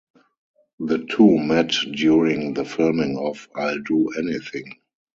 The two met during the filming of "I'll Do Anything".